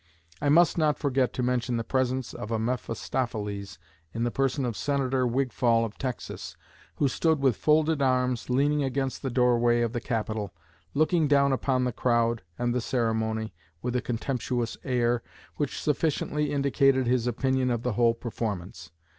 I must not forget to mention the presence of a Mephistopheles in the person of Senator Wigfall of Texas, who stood with folded arms leaning against the doorway of the Capitol, looking down upon the crowd and the ceremony with a contemptuous air which sufficiently indicated his opinion of the whole performance.